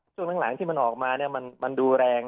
ช่วงข้างหลังที่มันออกมาเนี่ยมันดูแรง